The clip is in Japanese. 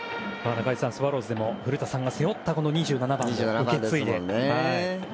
スワローズでも古田さんが背負った２７番を受け継いでいます。